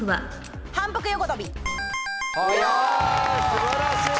素晴らしい。